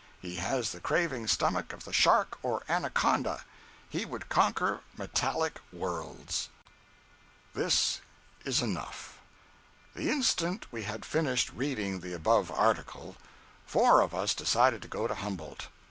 He has the craving stomach of the shark or anaconda. He would conquer metallic worlds. 196.jpg (187K) This was enough. The instant we had finished reading the above article, four of us decided to go to Humboldt.